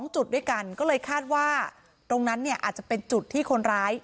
๒จุดด้วยกันก็เลยคาดว่าตรงนั้นเนี่ยอาจจะเป็นจุดที่คนร้าย